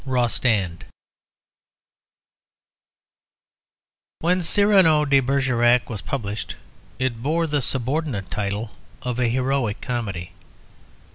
ROSTAND When "Cyrano de Bergerac" was published, it bore the subordinate title of a heroic comedy.